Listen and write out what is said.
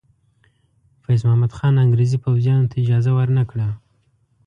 فیض محمد خان انګریزي پوځیانو ته اجازه ور نه کړه.